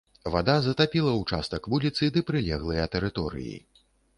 Вада затапіла ўчастак вуліцы ды прылеглыя тэрыторыі.